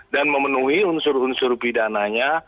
dan memenuhi unsur unsur pidananya